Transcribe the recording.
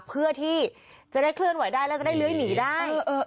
เพื่อที่จะได้เคลื่อนไหวได้แล้วจะได้เลื้อยหนีได้